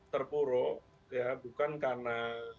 terpuro ya bukan karena